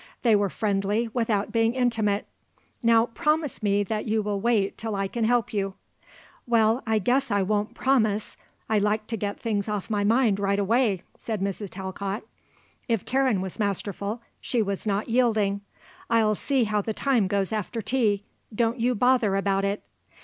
They were friendly without being intimate. "Now promise me that you will wait till I can help you." "Well, I guess I won't promise. I like to get things off my mind right away," said Mrs. Talcott. If Karen was masterful, she was not yielding. "I'll see how the time goes after tea. Don't you bother about it."